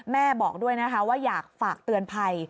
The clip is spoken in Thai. บอกด้วยนะคะว่าอยากฝากเตือนภัย